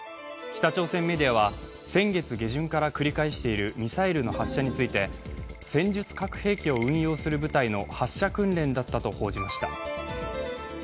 北朝鮮メディアは先月下旬から繰り返しているミサイルの発射について戦術核兵器を運用する部隊の発射訓練だったと報じました。